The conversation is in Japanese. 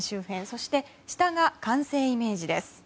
そして、下が完成イメージです。